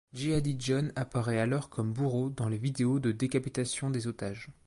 Jihadi John apparaît alors comme bourreau dans les vidéos de décapitations des otages.